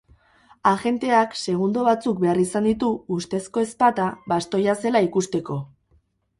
Agenteak segundo batzuk behar izan ditu, ustezko ezpata bastoia zela ikusteko.